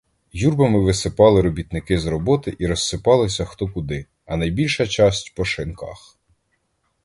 Юрбами висипали робітники з роботи і розсипалися хто куди, а найбільша часть по шинках.